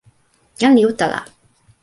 jan li utala.